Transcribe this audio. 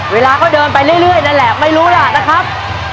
เวลาก็เดินไปเรื่อยนั่นแหละไม่รู้ล่ะนะครับ